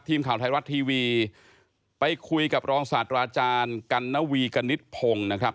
ทีมข่าวไทยรัฐทีวีไปคุยกับรองศาสตราอาจารย์กัณวีกณิตพงศ์นะครับ